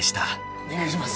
お願いします